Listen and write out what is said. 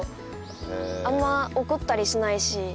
あんま怒ったりしないし。